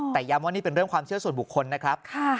แต่ย้ำว่านี่เป็นเรื่องความเชื่อส่วนบุคคลนะครับ